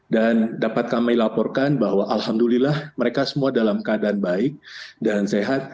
dan dapat kami laporkan bahwa alhamdulillah mereka semua dalam keadaan baik dan sehat